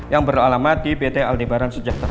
yang beralamat di pt aldebaran sejahtera